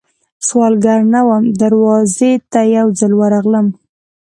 سوالګره نه وم، دروازې ته یې یوځل ورغلم